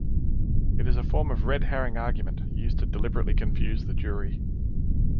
It is a form of Red Herring argument, used to deliberately confuse the jury.